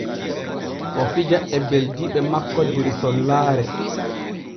O fija e ɓeldiiɓe makko der sollaare.